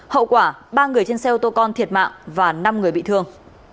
hậu quả ba người trên xe ô tô con thiệt mạng và năm người bị thương